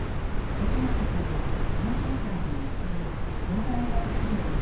関本さんは３週間に１度抗がん剤治療を受けています。